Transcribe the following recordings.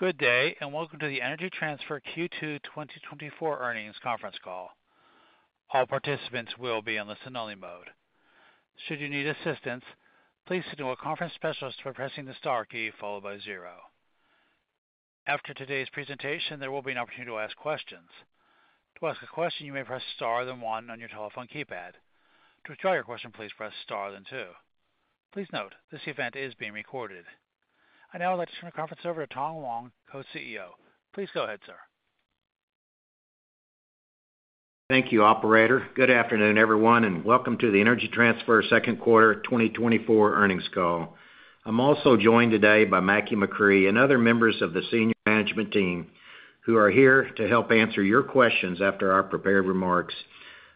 Good day, and welcome to the Energy Transfer Q2 2024 Earnings Conference Call. All participants will be in listen-only mode. Should you need assistance, please signal a conference specialist by pressing the star key, followed by zero. After today's presentation, there will be an opportunity to ask questions. To ask a question, you may press star, then one on your telephone keypad. To withdraw your question, please press star, then two. Please note, this event is being recorded. I'd now like to turn the conference over to Tom Long, Co-CEO. Please go ahead, sir. Thank you, operator. Good afternoon, everyone, and welcome to the Energy Transfer second quarter 2024 earnings call. I'm also joined today by Mackie McCrea and other members of the senior management team, who are here to help answer your questions after our prepared remarks.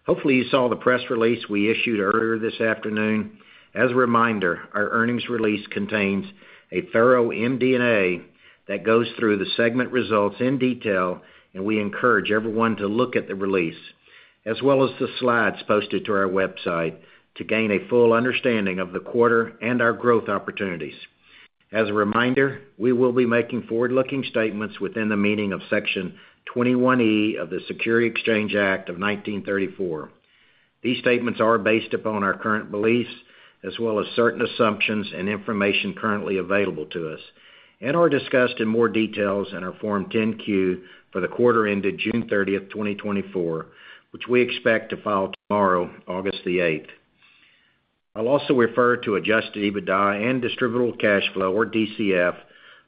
Hopefully, you saw the press release we issued earlier this afternoon. As a reminder, our earnings release contains a thorough MD&A that goes through the segment results in detail, and we encourage everyone to look at the release, as well as the slides posted to our website to gain a full understanding of the quarter and our growth opportunities. As a reminder, we will be making forward-looking statements within the meaning of Section 21E of the Securities Exchange Act of 1934. These statements are based upon our current beliefs, as well as certain assumptions and information currently available to us, and are discussed in more detail in our Form 10-Q for the quarter ended June 30th, 2024, which we expect to file tomorrow, August 8th. I'll also refer to Adjusted EBITDA and Distributable Cash Flow, or DCF,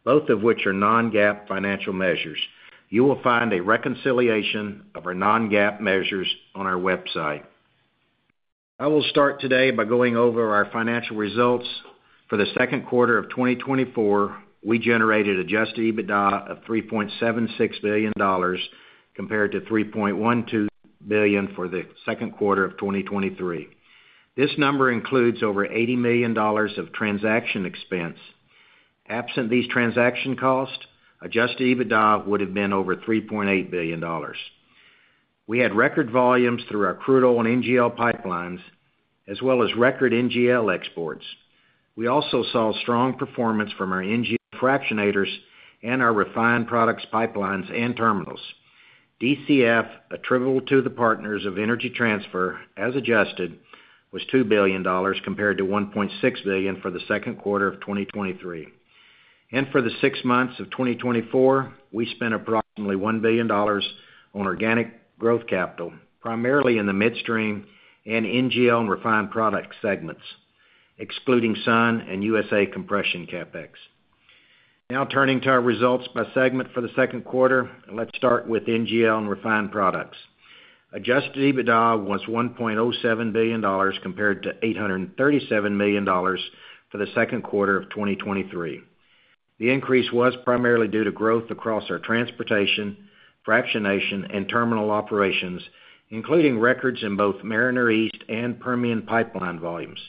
both of which are non-GAAP financial measures. You will find a reconciliation of our non-GAAP measures on our website. I will start today by going over our financial results. For the second quarter of 2024, we generated Adjusted EBITDA of $3.76 billion, compared to $3.12 billion for the second quarter of 2023. This number includes over $80 million of transaction expense. Absent these transaction costs, Adjusted EBITDA would have been over $3.8 billion. We had record volumes through our crude oil and NGL pipelines, as well as record NGL exports. We also saw strong performance from our NGL fractionators and our refined products pipelines and terminals. DCF, attributable to the partners of Energy Transfer, as adjusted, was $2 billion compared to $1.6 billion for the second quarter of 2023. For the six months of 2024, we spent approximately $1 billion on organic growth capital, primarily in the midstream and NGL and refined product segments, excluding Sun and USA Compression CapEx. Now turning to our results by segment for the second quarter. Let's start with NGL and refined products. Adjusted EBITDA was $1.07 billion, compared to $837 million for the second quarter of 2023. The increase was primarily due to growth across our transportation, fractionation, and terminal operations, including records in both Mariner East and Permian pipeline volumes,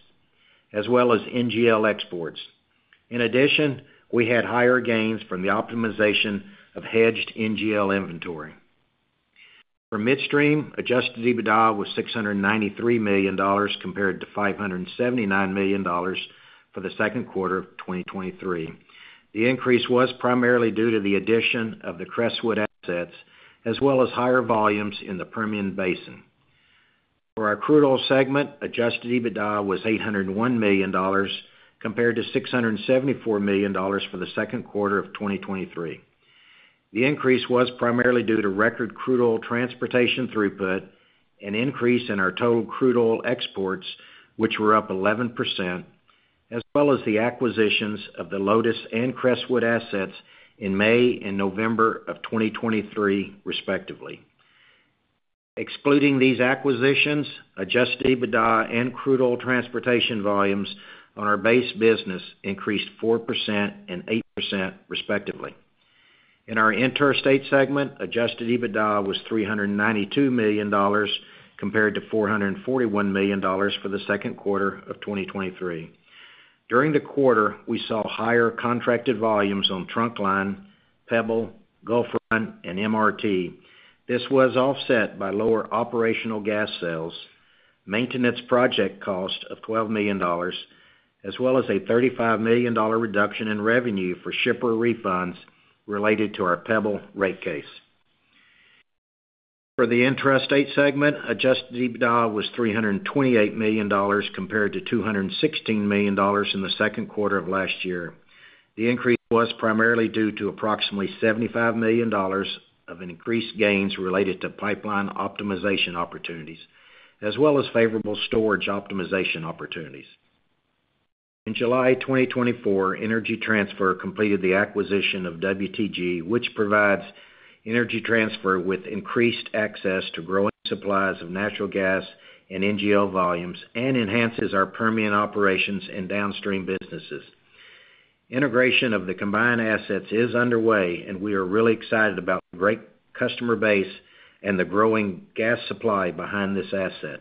as well as NGL exports. In addition, we had higher gains from the optimization of hedged NGL inventory. For midstream, adjusted EBITDA was $693 million compared to $579 million for the second quarter of 2023. The increase was primarily due to the addition of the Crestwood assets, as well as higher volumes in the Permian Basin. For our crude oil segment, adjusted EBITDA was $801 million, compared to $674 million for the second quarter of 2023. The increase was primarily due to record crude oil transportation throughput, an increase in our total crude oil exports, which were up 11%, as well as the acquisitions of the Lotus and Crestwood assets in May and November of 2023, respectively. Excluding these acquisitions, adjusted EBITDA and crude oil transportation volumes on our base business increased 4% and 8%, respectively. In our interstate segment, adjusted EBITDA was $392 million, compared to $441 million for the second quarter of 2023. During the quarter, we saw higher contracted volumes on Trunkline, Panhandle, Gulf Run, and MRT. This was offset by lower operational gas sales, maintenance project cost of $12 million, as well as a $35 million reduction in revenue for shipper refunds related to our Panhandle rate case. For the intrastate segment, Adjusted EBITDA was $328 million compared to $216 million in the second quarter of last year. The increase was primarily due to approximately $75 million of increased gains related to pipeline optimization opportunities, as well as favorable storage optimization opportunities. In July 2024, Energy Transfer completed the acquisition of WTG, which provides Energy Transfer with increased access to growing supplies of natural gas and NGL volumes and enhances our Permian operations and downstream businesses. Integration of the combined assets is underway, and we are really excited about the great customer base and the growing gas supply behind this asset.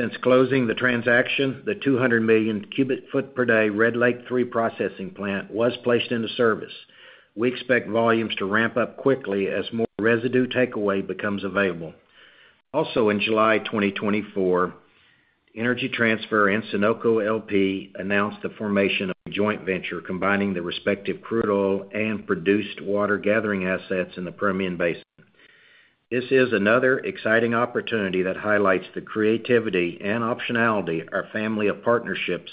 Since closing the transaction, the 200 million cu ft per day Red Lake 3 processing plant was placed into service. We expect volumes to ramp up quickly as more residue takeaway becomes available. Also, in July 2024, Energy Transfer and Sunoco LP announced the formation of a joint venture combining the respective crude oil and produced water gathering assets in the Permian Basin. This is another exciting opportunity that highlights the creativity and optionality our family of partnerships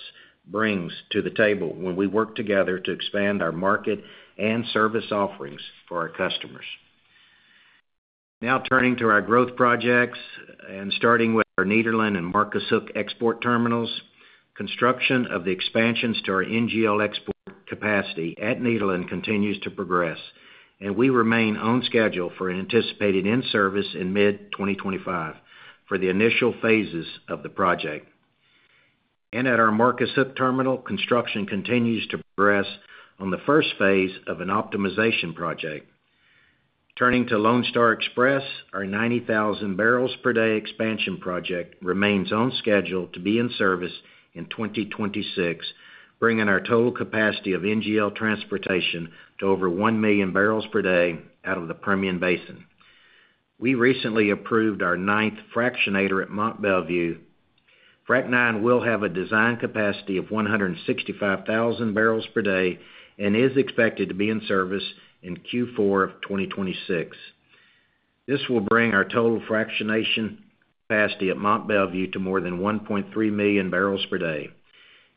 brings to the table when we work together to expand our market and service offerings for our customers. Now turning to our growth projects, and starting with our Nederland and Marcus Hook export terminals. Construction of the expansions to our NGL export capacity at Nederland continues to progress, and we remain on schedule for an anticipated in-service in mid-2025 for the initial phases of the project. And at our Marcus Hook terminal, construction continues to progress on the first phase of an optimization project. Turning to Lone Star Express, our 90,000 bbl per day expansion project remains on schedule to be in service in 2026, bringing our total capacity of NGL transportation to over 1 MMbpd out of the Permian Basin. We recently approved our ninth fractionator at Mont Belvieu. Frac IX will have a design capacity of 165,000 bbl per day and is expected to be in service in Q4 of 2026. This will bring our total fractionation capacity at Mont Belvieu to more than 1.3 MMbpd.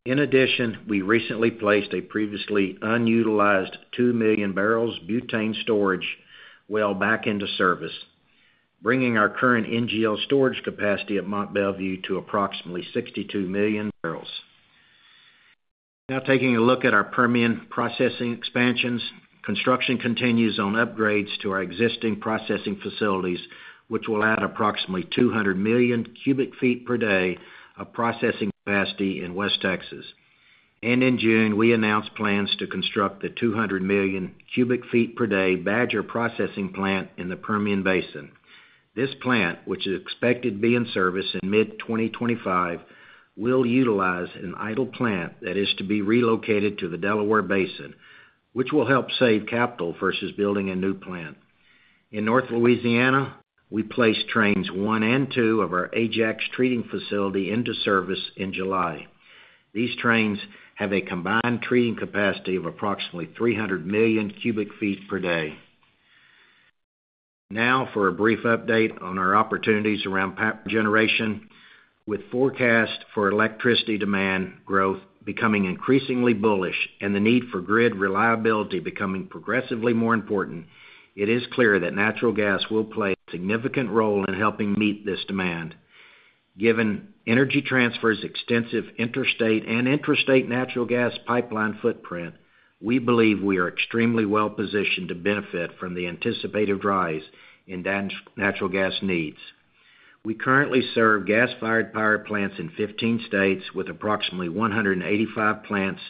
In addition, we recently placed a previously unutilized 2 million bbl butane storage well back into service, bringing our current NGL storage capacity at Mont Belvieu to approximately 62 million bbl. Now taking a look at our Permian processing expansions. Construction continues on upgrades to our existing processing facilities, which will add approximately 200 million cu ft per day of processing capacity in West Texas. In June, we announced plans to construct the 200 million cu ft per day Badger processing plant in the Permian Basin. This plant, which is expected to be in service in mid-2025, will utilize an idle plant that is to be relocated to the Delaware Basin, which will help save capital versus building a new plant. In North Louisiana, we placed trains one and two of our Ajax treating facility into service in July. These trains have a combined treating capacity of approximately 300 million cu ft per day. Now for a brief update on our opportunities around power generation. With forecast for electricity demand growth becoming increasingly bullish and the need for grid reliability becoming progressively more important, it is clear that natural gas will play a significant role in helping meet this demand. Given Energy Transfer's extensive interstate and intrastate natural gas pipeline footprint, we believe we are extremely well-positioned to benefit from the anticipated rise in natural gas needs. We currently serve gas-fired power plants in 15 states, with approximately 185 plants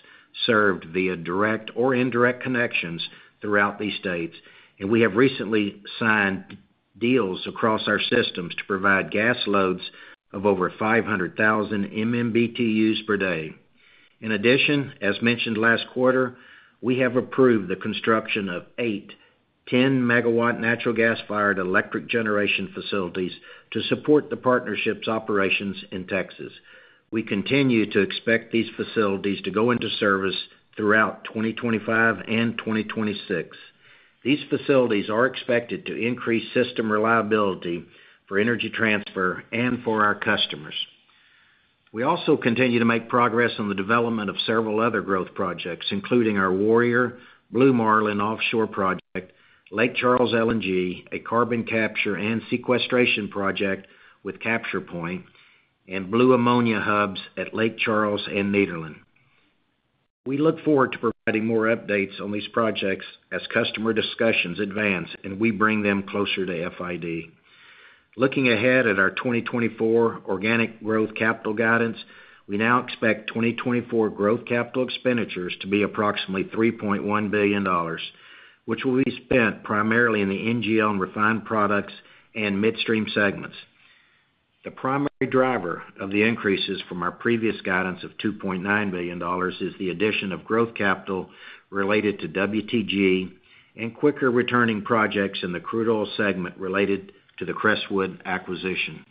served via direct or indirect connections throughout these states, and we have recently signed deals across our systems to provide gas loads of over 500,000 MMBtu per day. In addition, as mentioned last quarter, we have approved the construction of eight 10-megawatt natural gas-fired electric generation facilities to support the partnership's operations in Texas. We continue to expect these facilities to go into service throughout 2025 and 2026. These facilities are expected to increase system reliability for Energy Transfer and for our customers. We also continue to make progress on the development of several other growth projects, including our Warrior, Blue Marlin offshore project, Lake Charles LNG, a carbon capture and sequestration project with CapturePoint, and blue ammonia hubs at Lake Charles and Nederland. We look forward to providing more updates on these projects as customer discussions advance, and we bring them closer to FID. Looking ahead at our 2024 organic growth capital guidance, we now expect 2024 growth capital expenditures to be approximately $3.1 billion, which will be spent primarily in the NGL and refined products and midstream segments. The primary driver of the increases from our previous guidance of $2.9 billion is the addition of growth capital related to WTG and quicker-returning projects in the crude oil segment related to the Crestwood acquisition.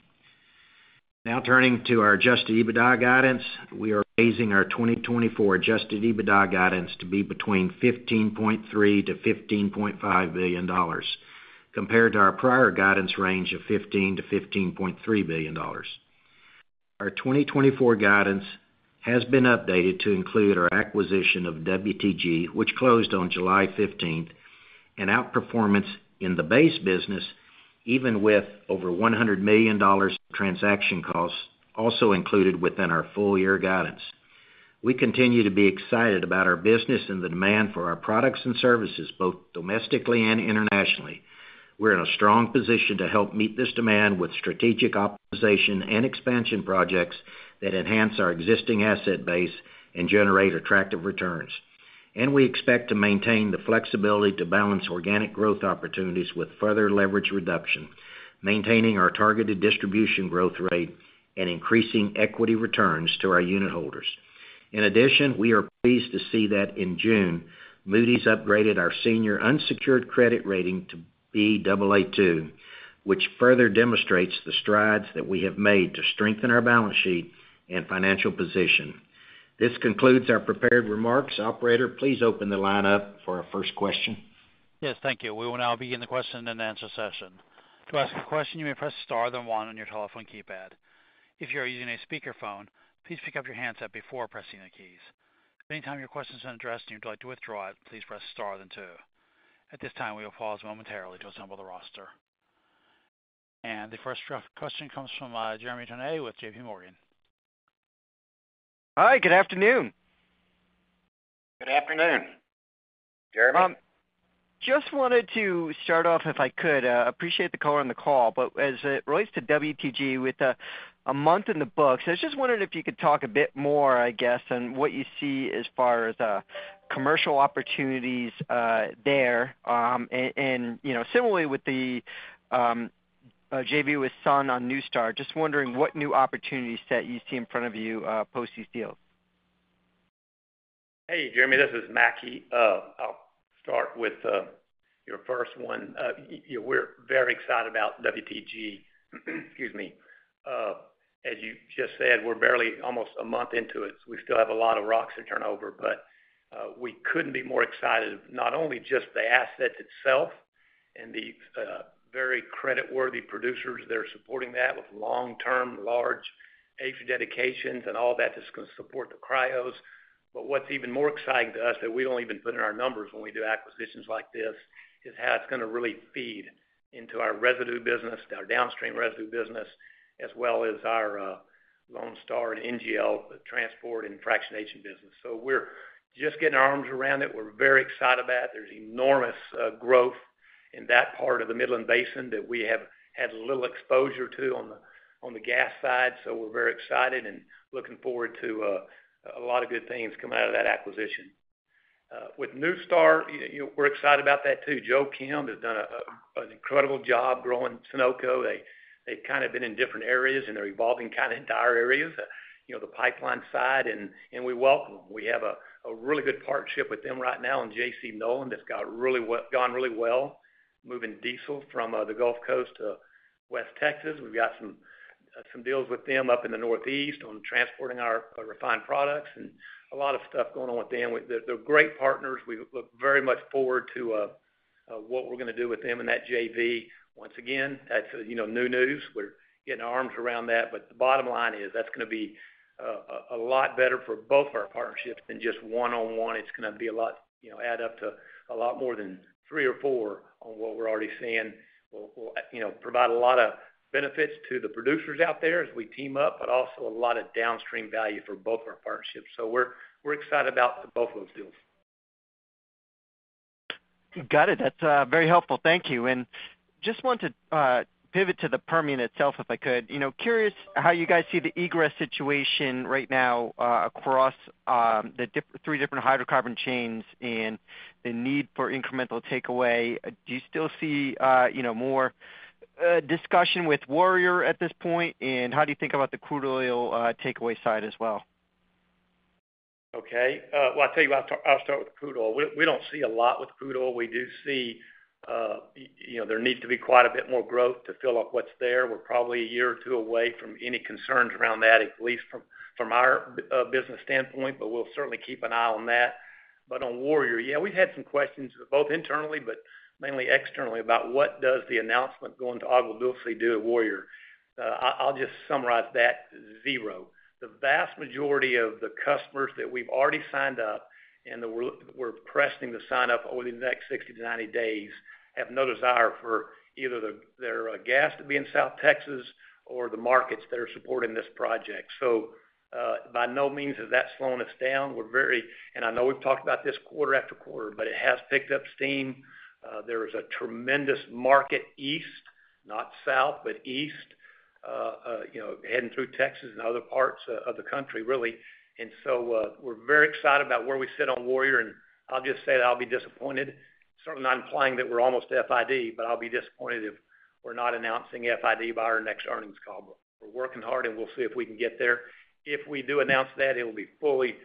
Now turning to our Adjusted EBITDA guidance. We are raising our 2024 Adjusted EBITDA guidance to be between $15.3 billion-$15.5 billion, compared to our prior guidance range of $15 billion-$15.3 billion. Our 2024 guidance has been updated to include our acquisition of WTG, which closed on July fifteenth, and outperformance in the base business, even with over $100 million in transaction costs, also included within our full year guidance. We continue to be excited about our business and the demand for our products and services, both domestically and internationally. We're in a strong position to help meet this demand with strategic optimization and expansion projects that enhance our existing asset base and generate attractive returns. We expect to maintain the flexibility to balance organic growth opportunities with further leverage reduction, maintaining our targeted distribution growth rate and increasing equity returns to our unit holders. ...In addition, we are pleased to see that in June, Moody's upgraded our senior unsecured credit rating to Baa2, which further demonstrates the strides that we have made to strengthen our balance sheet and financial position. This concludes our prepared remarks. Operator, please open the line up for our first question. Yes, thank you. We will now begin the question and answer session. To ask a question, you may press star, then one on your telephone keypad. If you're using a speakerphone, please pick up your handset before pressing the keys. Any time your question is addressed, and you'd like to withdraw it, please press star, then two. At this time, we will pause momentarily to assemble the roster. The first question comes from Jeremy Tonet with J.P. Morgan. Hi, good afternoon. Good afternoon, Jeremy. Just wanted to start off, if I could, appreciate the color on the call, but as it relates to WTG, with a month in the books, I was just wondering if you could talk a bit more, I guess, on what you see as far as commercial opportunities there, and you know, similarly with the JV with Sun on NuStar. Just wondering what new opportunities that you see in front of you post these deals. Hey, Jeremy, this is Mackie. I'll start with your first one. We're very excited about WTG. Excuse me. As you just said, we're barely almost a month into it, so we still have a lot of rocks to turn over, but we couldn't be more excited. Not only just the assets itself and the very credit-worthy producers that are supporting that with long-term, large acre dedications and all that is gonna support the cryos. But what's even more exciting to us, that we don't even put in our numbers when we do acquisitions like this, is how it's gonna really feed into our residue business, our downstream residue business, as well as our Lone Star and NGL transport and fractionation business. So we're just getting our arms around it. We're very excited about it. There's enormous growth in that part of the Midland Basin that we have had little exposure to on the gas side, so we're very excited and looking forward to a lot of good things coming out of that acquisition. With NuStar, you know, we're excited about that, too. Joe Kim has done an incredible job growing Sunoco. They, they've kind of been in different areas, and they're evolving kind of into our areas, you know, the pipeline side, and we welcome them. We have a really good partnership with them right now and J.C. Nolan that's gone really well, moving diesel from the Gulf Coast to West Texas. We've got some deals with them up in the Northeast on transporting our refined products and a lot of stuff going on with them. They're great partners. We look very much forward to what we're gonna do with them in that JV. Once again, that's, you know, new news. We're getting our arms around that. But the bottom line is, that's gonna be a lot better for both our partnerships than just one-on-one. It's gonna be a lot, you know, add up to a lot more than three or four on what we're already seeing. We'll, you know, provide a lot of benefits to the producers out there as we team up, but also a lot of downstream value for both our partnerships. So we're excited about both of those deals. Got it. That's very helpful. Thank you. And just want to pivot to the Permian itself, if I could. You know, curious how you guys see the egress situation right now, across the three different hydrocarbon chains and the need for incremental takeaway. Do you still see, you know, more discussion with Warrior at this point? And how do you think about the crude oil takeaway side as well? Okay. Well, I'll tell you what, I'll start with crude oil. We don't see a lot with crude oil. We do see, you know, there needs to be quite a bit more growth to fill up what's there. We're probably a year or two away from any concerns around that, at least from our business standpoint, but we'll certainly keep an eye on that. But on Warrior, yeah, we've had some questions, both internally, but mainly externally, about what does the announcement going to Agua Dulce do at Warrior? I'll just summarize that, zero. The vast majority of the customers that we've already signed up and that we're pressing to sign up over the next 60-90 days, have no desire for either their gas to be in South Texas or the markets that are supporting this project. So, by no means has that slowed us down. We're very, and I know we've talked about this quarter after quarter, but it has picked up steam. There is a tremendous market east, not south, but east, you know, heading through Texas and other parts of the country, really. And so, we're very excited about where we sit on Warrior, and I'll just say that I'll be disappointed. Certainly not implying that we're almost FID, but I'll be disappointed if we're not announcing FID by our next earnings call. But we're working hard, and we'll see if we can get there. If we do announce that, it will be fully,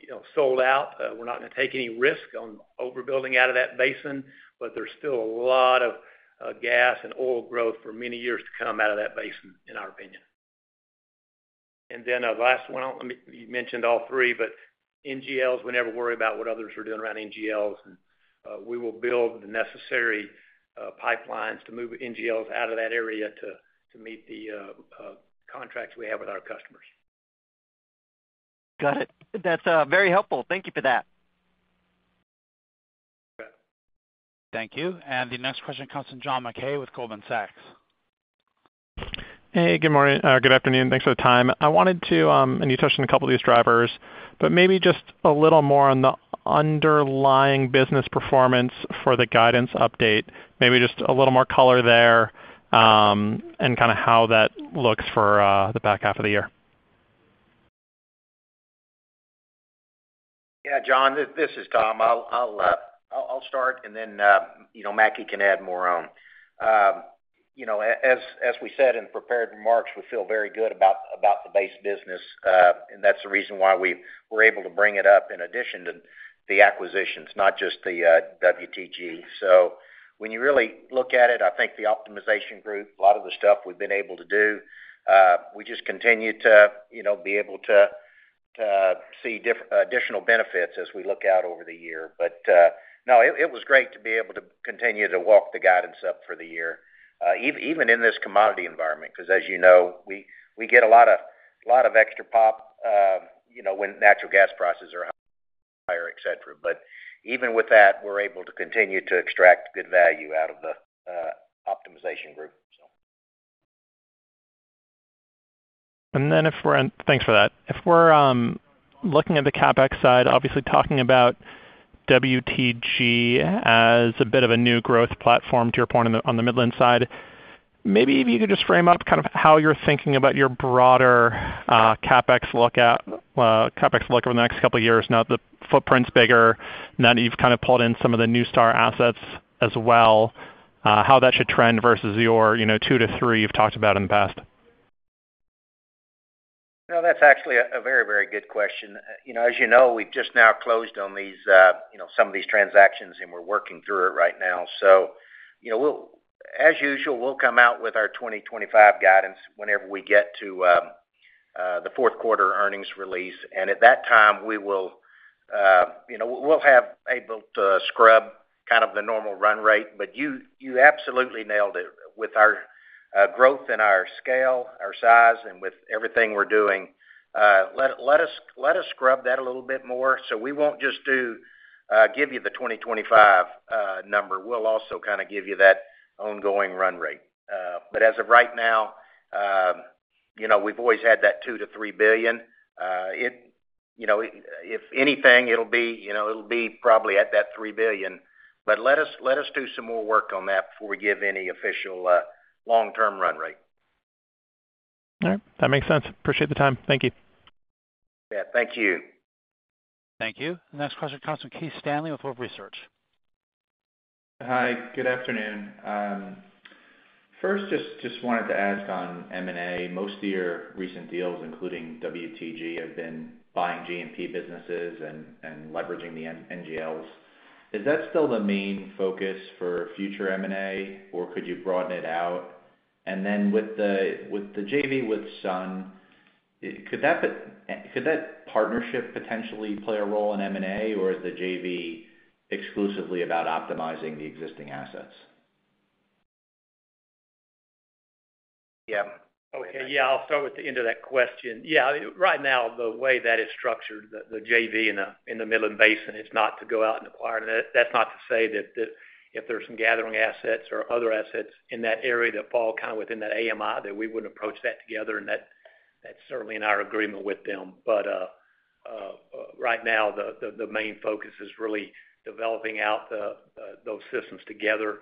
you know, sold out. We're not gonna take any risk on overbuilding out of that basin, but there's still a lot of gas and oil growth for many years to come out of that basin, in our opinion. And then, last one, let me, you mentioned all three, but NGLs, we never worry about what others are doing around NGLs. We will build the necessary pipelines to move NGLs out of that area to meet the contracts we have with our customers. Got it. That's very helpful. Thank you for that. Okay. Thank you. And the next question comes from John Mackay with Goldman Sachs. Hey, good morning, good afternoon. Thanks for the time. I wanted to, and you touched on a couple of these drivers, but maybe just a little more on the underlying business performance for the guidance update. Maybe just a little more color there, and kind of how that looks for, the back half of the year. ... Yeah, John, this is Tom. I'll start, and then, you know, Mackie can add more on. You know, as, as we said in prepared remarks, we feel very good about the base business, and that's the reason why we were able to bring it up in addition to the acquisitions, not just the WTG. So when you really look at it, I think the optimization group, a lot of the stuff we've been able to do, we just continue to, you know, be able to see additional benefits as we look out over the year. But no, it was great to be able to continue to walk the guidance up for the year, even in this commodity environment, 'cause as you know, we get a lot of extra pop, you know, when natural gas prices are higher, et cetera. But even with that, we're able to continue to extract good value out of the optimization group, so. Thanks for that. If we're looking at the CapEx side, obviously talking about WTG as a bit of a new growth platform to your point on the Midland side, maybe if you could just frame up kind of how you're thinking about your broader CapEx outlook over the next couple of years. Now, the footprint's bigger, now that you've kind of pulled in some of the NuStar assets as well, how that should trend versus your, you know, two to three you've talked about in the past? No, that's actually a very, very good question. You know, as you know, we've just now closed on these, you know, some of these transactions, and we're working through it right now. So, you know, we'll as usual, we'll come out with our 2025 guidance whenever we get to the fourth quarter earnings release. And at that time, we will, you know, we'll have able to scrub kind of the normal run rate. But you, you absolutely nailed it. With our growth and our scale, our size, and with everything we're doing, let, let us, let us scrub that a little bit more. So we won't just do give you the 2025 number. We'll also kind of give you that ongoing run rate. But as of right now, you know, we've always had that $2 billion-$3 billion. You know, if anything, it'll be, you know, it'll be probably at that $3 billion. But let us, let us do some more work on that before we give any official, long-term run rate. All right, that makes sense. Appreciate the time. Thank you. Yeah, thank you. Thank you. Next question comes from Keith Stanley with Wolfe Research. Hi, good afternoon. First, just wanted to ask on M&A, most of your recent deals, including WTG, have been buying G&P businesses and leveraging the NGLs. Is that still the main focus for future M&A, or could you broaden it out? And then with the JV with Sun, could that partnership potentially play a role in M&A, or is the JV exclusively about optimizing the existing assets? Yeah. Okay, yeah, I'll start with the end of that question. Yeah, right now, the way that it's structured, the JV in the Midland Basin, it's not to go out and acquire. That's not to say that if there's some gathering assets or other assets in that area that fall kind of within that AMI, that we wouldn't approach that together, and that's certainly in our agreement with them. But right now, the main focus is really developing out those systems together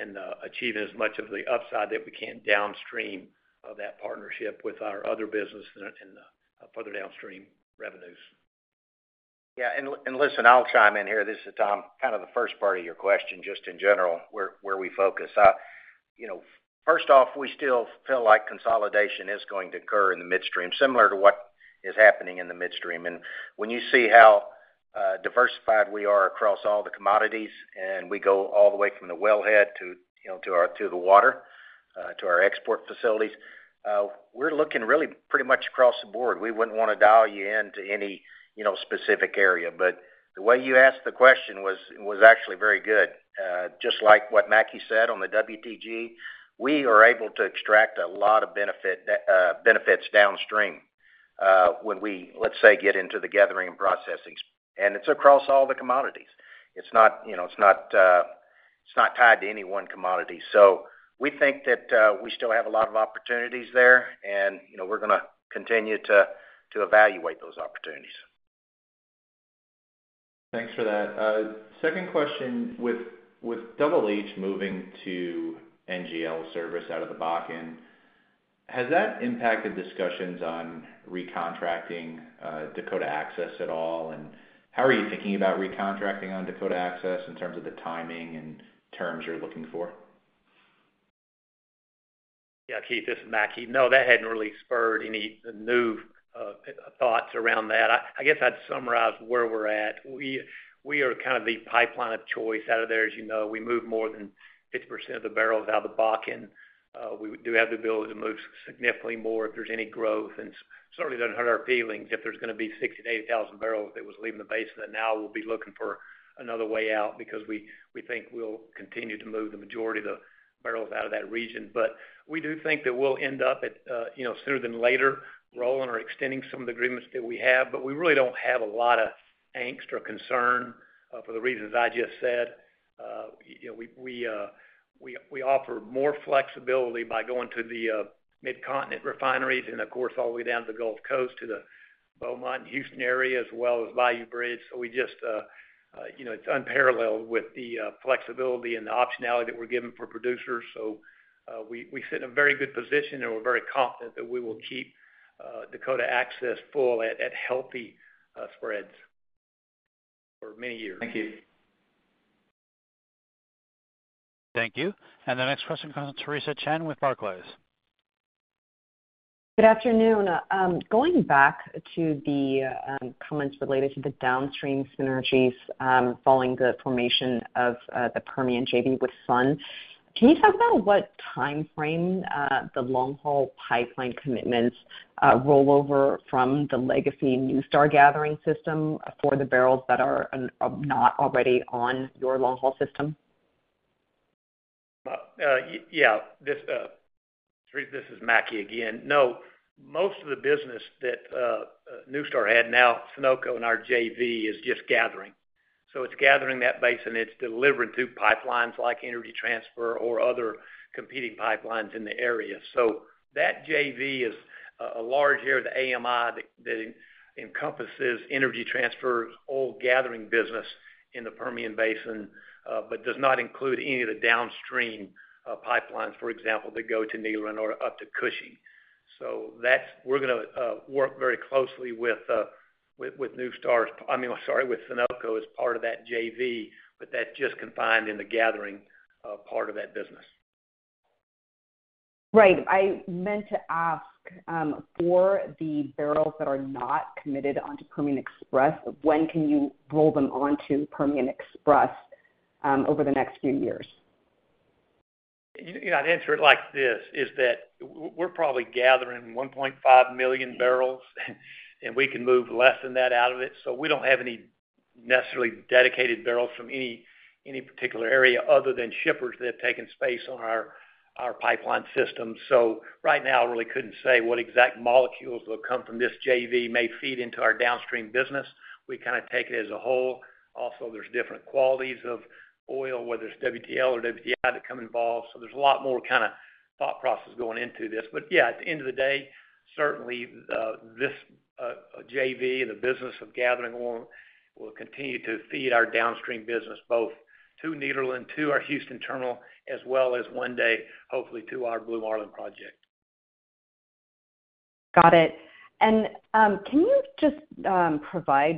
and achieving as much of the upside that we can downstream of that partnership with our other business and further downstream revenues. Yeah, and listen, I'll chime in here. This is Tom. Kind of the first part of your question, just in general, where we focus. You know, first off, we still feel like consolidation is going to occur in the midstream, similar to what is happening in the midstream. And when you see how diversified we are across all the commodities, and we go all the way from the wellhead to, you know, to our to the water to our export facilities, we're looking really pretty much across the board. We wouldn't want to dial you in to any, you know, specific area. But the way you asked the question was actually very good. Just like what Mackie said on the WTG, we are able to extract a lot of benefit, benefits downstream, when we, let's say, get into the gathering and processing, and it's across all the commodities. It's not, you know, it's not, it's not tied to any one commodity. So we think that, we still have a lot of opportunities there, and, you know, we're gonna continue to, to evaluate those opportunities. Thanks for that. Second question, with, with Double H moving to NGL service out of the Bakken, has that impacted discussions on recontracting, Dakota Access at all? And how are you thinking about recontracting on Dakota Access in terms of the timing and terms you're looking for? Yeah, Keith, this is Mackie. No, that hadn't really spurred any new thoughts around that. I guess I'd summarize where we're at. We are kind of the pipeline of choice out of there. As you know, we move more than 50% of the barrels out of the Bakken. We do have the ability to move significantly more if there's any growth, and certainly doesn't hurt our feelings if there's gonna be 68,000 bbl that was leaving the basin, and now we'll be looking for another way out because we think we'll continue to move the majority of the barrels out of that region. But we do think that we'll end up at, you know, sooner than later, rolling or extending some of the agreements that we have, but we really don't have a lot of angst or concern, for the reasons I just said. You know, we offer more flexibility by going to the Mid-Continent refineries and, of course, all the way down to the Gulf Coast, to the Beaumont and Houston area, as well as Bayou Bridge. So we just, you know, it's unparalleled with the, flexibility and the optionality that we're giving for producers. So, we sit in a very good position, and we're very confident that we will keep, Dakota Access full at, healthy, spreads for many years. Thank you. Thank you. And the next question comes from Theresa Chen with Barclays. Good afternoon. Going back to the comments related to the downstream synergies, following the formation of the Permian JV with Sun, can you talk about what time frame the long-haul pipeline commitments roll over from the legacy NuStar Gathering system for the barrels that are not already on your long-haul system? Yeah, this, Theresa, this is Mackie again. No, most of the business that NuStar had, now Sunoco and our JV is just gathering. So it's gathering that basin, it's delivering to pipelines like Energy Transfer or other competing pipelines in the area. So that JV is a large area of the AMI that encompasses Energy Transfer's old gathering business in the Permian Basin, but does not include any of the downstream pipelines, for example, that go to Nederland or up to Cushing. So that's. We're gonna work very closely with NuStar's. I mean, sorry, with Sunoco as part of that JV, but that's just confined in the gathering part of that business. Right. I meant to ask, for the barrels that are not committed onto Permian Express, when can you roll them onto Permian Express, over the next few years? You know, I'd answer it like this, is that we're probably gathering 1.5 million bbl, and we can move less than that out of it, so we don't have any necessarily dedicated barrels from any, any particular area other than shippers that have taken space on our, our pipeline system. So right now, I really couldn't say what exact molecules will come from this JV may feed into our downstream business. We kind of take it as a whole. Also, there's different qualities of oil, whether it's WTL or WTI, that come involved, so there's a lot more kind of thought process going into this. But yeah, at the end of the day, certainly, this JV and the business of gathering oil will continue to feed our downstream business, both to Nederland, to our Houston terminal, as well as one day, hopefully, to our Blue Marlin project. Got it. And, can you just provide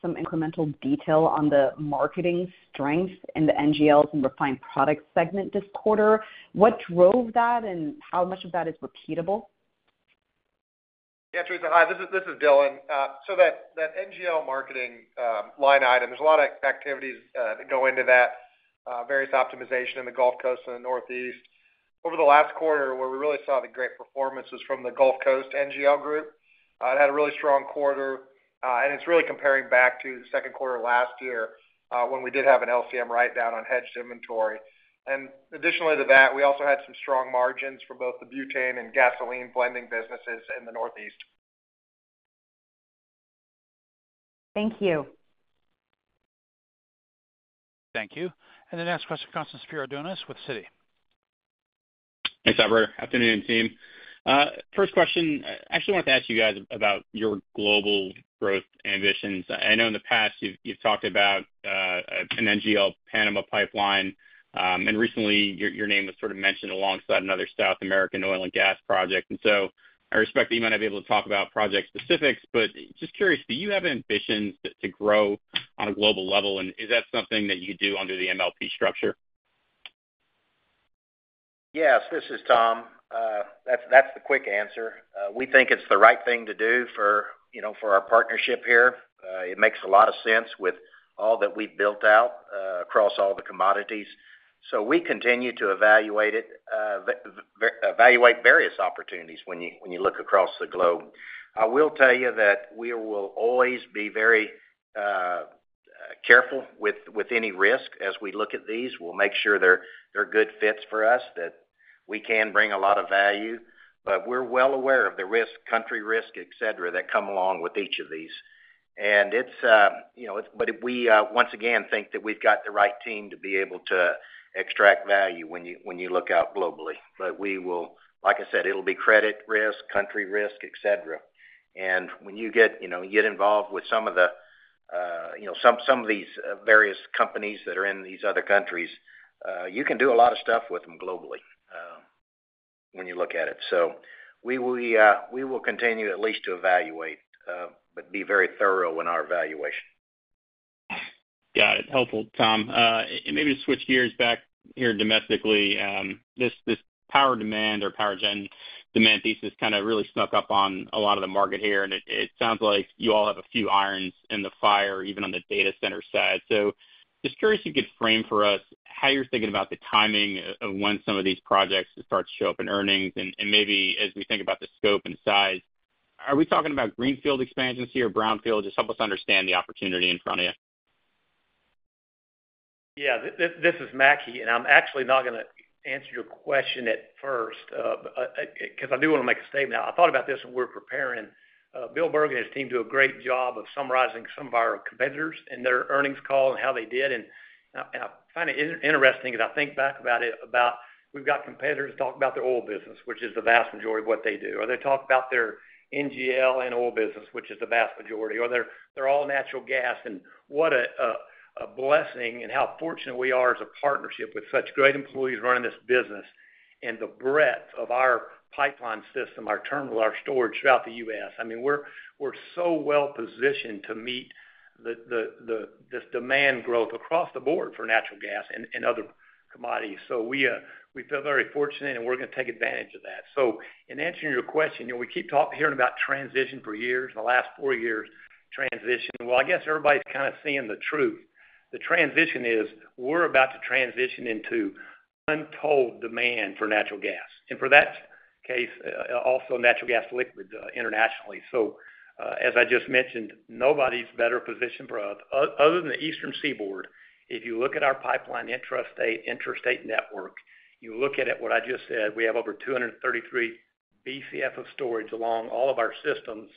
some incremental detail on the marketing strength in the NGLs and refined products segment this quarter? What drove that, and how much of that is repeatable? Yeah, Theresa, hi, this is, this is Dylan. So that, that NGL marketing line item, there's a lot of activities that go into that, various optimization in the Gulf Coast and the Northeast. Over the last quarter, where we really saw the great performance was from the Gulf Coast NGL group. It had a really strong quarter, and it's really comparing back to the second quarter of last year, when we did have an LCM write-down on hedged inventory. And additionally to that, we also had some strong margins for both the butane and gasoline blending businesses in the Northeast. Thank you. Thank you. And the next question comes from Spiro Dounis with Citi. Thanks, operator. Afternoon, team. First question, I actually wanted to ask you guys about your global growth ambitions. I know in the past, you've talked about an NGL Panama pipeline, and recently your name was sort of mentioned alongside another South American oil and gas project. And so I respect that you might not be able to talk about project specifics, but just curious, do you have ambitions to grow on a global level? And is that something that you do under the MLP structure? Yes, this is Tom. That's the quick answer. We think it's the right thing to do for, you know, for our partnership here. It makes a lot of sense with all that we've built out across all the commodities. So we continue to evaluate various opportunities when you look across the globe. I will tell you that we will always be very careful with any risk as we look at these. We'll make sure they're good fits for us, that we can bring a lot of value. But we're well aware of the risk, country risk, et cetera, that come along with each of these. And it's, you know, but we once again think that we've got the right team to be able to extract value when you look out globally. But we will, like I said, it'll be credit risk, country risk, et cetera. And when you get, you know, you get involved with some of the, you know, some of these various companies that are in these other countries, you can do a lot of stuff with them globally, when you look at it. So we will continue at least to evaluate, but be very thorough in our evaluation. Got it. Helpful, Tom. Maybe to switch gears back here domestically, this, this power demand or power gen demand thesis kind of really snuck up on a lot of the market here, and it, it sounds like you all have a few irons in the fire, even on the data center side. So just curious if you could frame for us how you're thinking about the timing of when some of these projects start to show up in earnings. And maybe as we think about the scope and size, are we talking about greenfield expansions here or brownfield? Just help us understand the opportunity in front of you. Yeah, this is Mackie, and I'm actually not gonna answer your question at first, because I do want to make a statement. I thought about this when we were preparing. Bill Baerg and his team do a great job of summarizing some of our competitors in their earnings call and how they did. And I find it interesting as I think back about it, about we've got competitors talk about their oil business, which is the vast majority of what they do, or they talk about their NGL and oil business, which is the vast majority, or they're all natural gas. And what a blessing and how fortunate we are as a partnership with such great employees running this business... and the breadth of our pipeline system, our terminal, our storage throughout the U.S. I mean, we're so well-positioned to meet the this demand growth across the board for natural gas and other commodities. So we, we feel very fortunate, and we're gonna take advantage of that. So in answering your question, you know, we keep hearing about transition for years, the last four years, transition. Well, I guess everybody's kind of seeing the truth. The transition is, we're about to transition into untold demand for natural gas, and for that case, also natural gas liquid internationally. So, as I just mentioned, nobody's better positioned for us, other than the Eastern Seaboard. If you look at our pipeline intrastate, interstate network, you look at it, what I just said, we have over 233 BCF of storage along all of our systems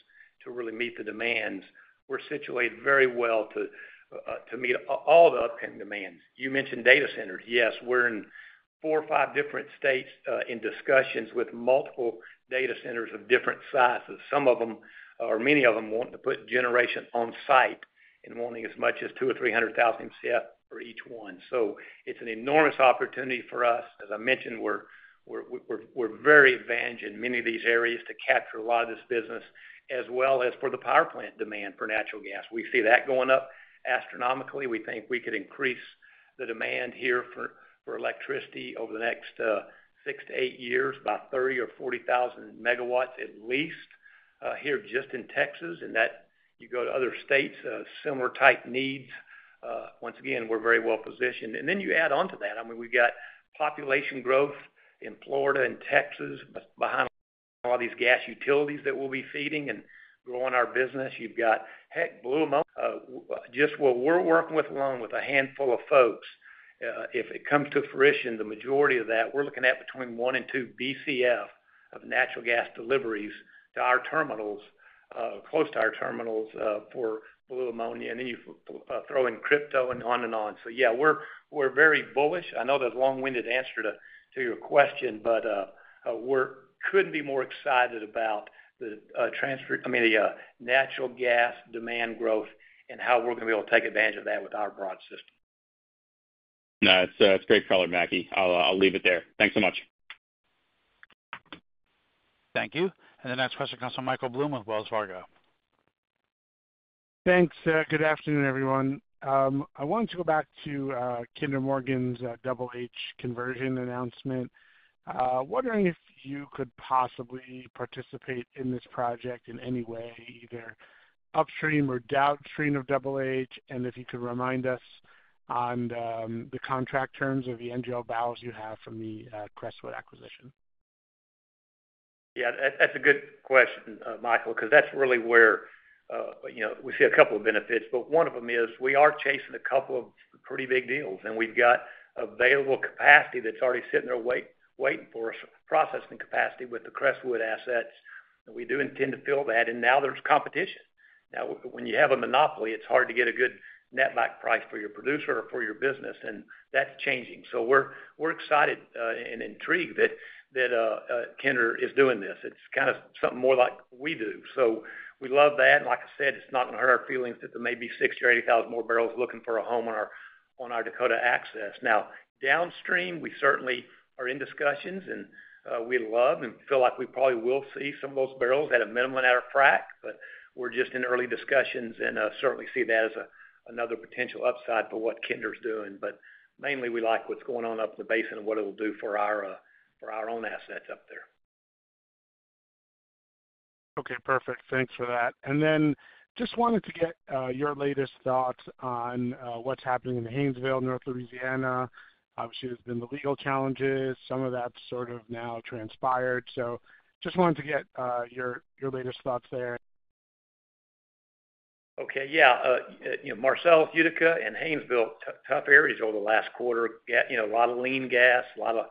to really meet the demands. We're situated very well to meet all the upcoming demands. You mentioned data centers. Yes, we're in 4 or 5 different states in discussions with multiple data centers of different sizes. Some of them, or many of them, want to put generation on site and wanting as much as 200,000-300,000 CF for each one. So it's an enormous opportunity for us. As I mentioned, we're, we're very advantaged in many of these areas to capture a lot of this business, as well as for the power plant demand for natural gas. We see that going up astronomically. We think we could increase the demand here for electricity over the next 6-8 years, by 30,000-40,000 megawatts, at least, here, just in Texas, and that you go to other states similar type needs. Once again, we're very well positioned. Then you add on to that, I mean, we've got population growth in Florida and Texas behind all these gas utilities that we'll be feeding and growing our business. You've got, heck, blue ammonia. Just what we're working with alone with a handful of folks, if it comes to fruition, the majority of that, we're looking at between one and two BCF of natural gas deliveries to our terminals, close to our terminals, for blue ammonia, and then you throw in crypto and on and on. So yeah, we're very bullish. I know that's a long-winded answer to your question, but, we're couldn't be more excited about the transfer, I mean, the natural gas demand growth and how we're gonna be able to take advantage of that with our broad system. No, that's, that's great color, Mackie. I'll, I'll leave it there. Thanks so much. Thank you. And the next question comes from Michael Blum with Wells Fargo. Thanks. Good afternoon, everyone. I wanted to go back to Kinder Morgan's Double H conversion announcement. Wondering if you could possibly participate in this project in any way, either upstream or downstream of Double H, and if you could remind us on the contract terms of the NGL volumes you have from the Crestwood acquisition? Yeah, that's a good question, Michael, because that's really where, you know, we see a couple of benefits, but one of them is we are chasing a couple of pretty big deals, and we've got available capacity that's already sitting there waiting for us, processing capacity with the Crestwood assets, and we do intend to fill that, and now there's competition. Now, when you have a monopoly, it's hard to get a good net back price for your producer or for your business, and that's changing. So we're excited and intrigued that Kinder is doing this. It's kind of something more like we do. So we love that, and like I said, it's not gonna hurt our feelings that there may be 60,000 or 80,000 more bbl looking for a home on our Dakota Access. Now, downstream, we certainly are in discussions, and we love and feel like we probably will see some of those barrels at a minimum and at a frac, but we're just in early discussions and certainly see that as another potential upside to what Kinder's doing. But mainly, we like what's going on up in the basin and what it'll do for our, for our own assets up there. Okay, perfect. Thanks for that. And then just wanted to get your latest thoughts on what's happening in the Haynesville, North Louisiana. Obviously, there's been the legal challenges. Some of that's sort of now transpired, so just wanted to get your latest thoughts there. Okay, yeah. You know, Marcellus, Utica, and Haynesville, tough areas over the last quarter. Yet, you know, a lot of lean gas, a lot of,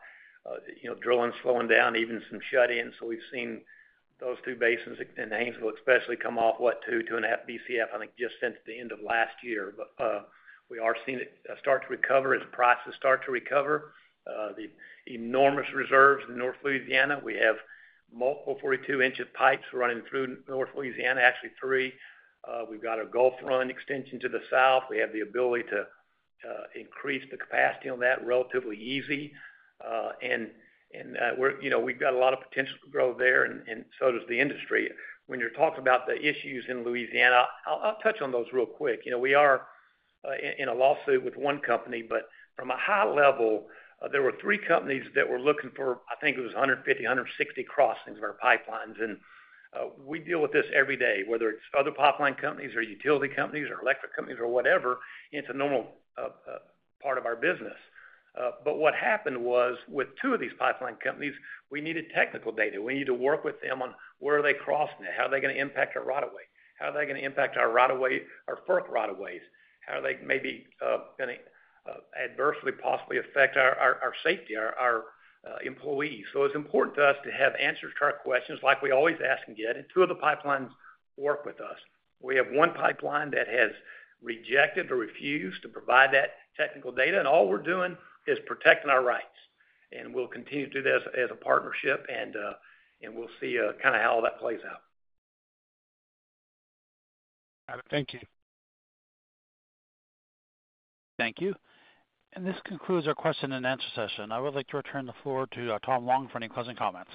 you know, drilling slowing down, even some shut-ins. So we've seen those two basins, and Haynesville especially, come off, what, 2-2.5 BCF, I think, just since the end of last year. But we are seeing it start to recover as prices start to recover. The enormous reserves in North Louisiana, we have multiple 42-inch pipes running through North Louisiana, actually three. We've got a Gulf Run extension to the south. We have the ability to increase the capacity on that relatively easy. And we're, you know, we've got a lot of potential to grow there, and so does the industry. When you're talking about the issues in Louisiana, I'll touch on those real quick. You know, we are in a lawsuit with one company, but from a high level, there were three companies that were looking for, I think it was 150, 160 crossings of our pipelines. We deal with this every day, whether it's other pipeline companies or utility companies or electric companies or whatever, it's a normal part of our business. But what happened was, with two of these pipeline companies, we needed technical data. We need to work with them on where are they crossing, how are they gonna impact our right of way? How are they gonna impact our right of way, our fourth right of ways? How are they maybe gonna adversely possibly affect our safety, our employees? So it's important to us to have answers to our questions like we always ask and get, and two of the pipelines work with us. We have one pipeline that has rejected or refused to provide that technical data, and all we're doing is protecting our rights, and we'll continue to do this as a partnership, and we'll see kind of how all that plays out. Thank you. Thank you. This concludes our question and answer session. I would like to return the floor to Tom Long for any closing comments.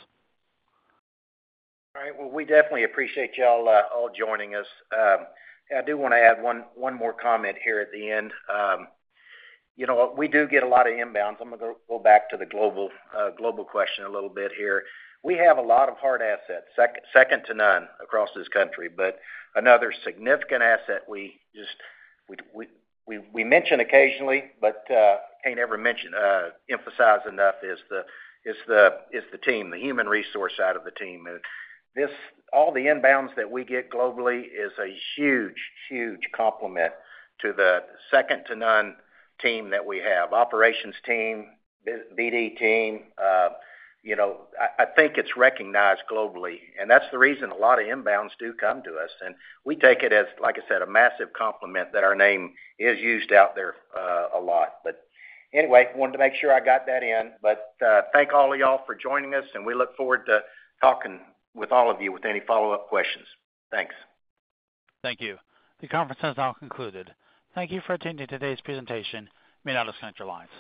All right. Well, we definitely appreciate you all all joining us. I do wanna add one more comment here at the end. You know, we do get a lot of inbounds. I'm gonna go back to the global global question a little bit here. We have a lot of hard assets, second to none across this country, but another significant asset we just mention occasionally, but can't ever mention emphasize enough, is the team, the human resource side of the team. And this, all the inbounds that we get globally is a huge compliment to the second to none team that we have, operations team, BD team. You know, I think it's recognized globally, and that's the reason a lot of inbounds do come to us, and we take it as, like I said, a massive compliment that our name is used out there a lot. But anyway, wanted to make sure I got that in, but thank all of y'all for joining us, and we look forward to talking with all of you with any follow-up questions. Thanks. Thank you. The conference has now concluded. Thank you for attending today's presentation. You may now disconnect your lines.